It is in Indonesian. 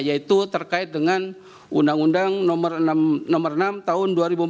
yaitu terkait dengan undang undang nomor enam tahun dua ribu empat belas